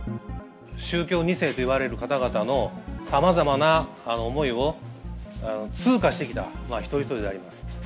宗教２世といわれる方々のさまざまな思いを通過してきた一人一人であります。